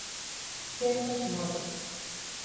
Kento Hashimoto